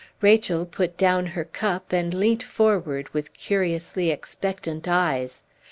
Rachel put down her cup and leant forward with curiously expectant eyes.